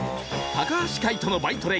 橋海人の「バイトレ